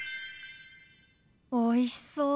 おいしそう。